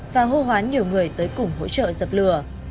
và hô hoán nhiều người tới cùng hỗ trợ dập lửa